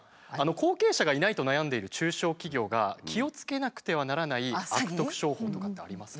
後継者がいないと悩んでいる中小企業が気をつけなくてはならない悪徳商法とかってありますか？